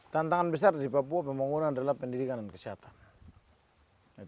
tantangan besar di papua pembangunan adalah pendidikan dan kesehatan